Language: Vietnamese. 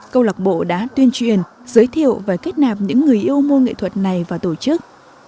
câu lạc bộ đã tuyên truyền giới thiệu và kết nạp những người yêu môn nghệ thuật này vào tổ chức